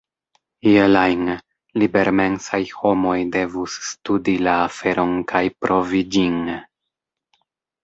Iel ajn, libermensaj homoj devus studi la aferon kaj provi ĝin.